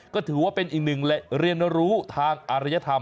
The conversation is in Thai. ก็ถือว่าเป็นอีกหนึ่งเรียนรู้ทางอารยธรรม